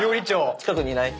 近くにいない⁉［この］